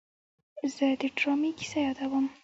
زه د ډرامې کیسه یادوم.